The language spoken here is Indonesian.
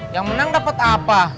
yang menang dapet apa